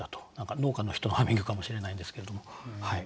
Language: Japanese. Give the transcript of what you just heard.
農家の人のハミングかもしれないんですけれども。